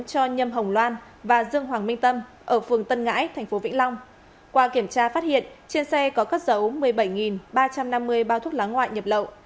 cho nhâm hồng loan và dương hoàng minh tâm ở phường tân ngãi tp vĩnh long qua kiểm tra phát hiện trên xe có cất giấu một mươi bảy ba trăm năm mươi bao thuốc lá ngoại nhập lậu